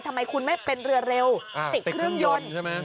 ทำไมคุณไม่เป็นเรือเร็วติดเครื่องยนต์ใช่ไหม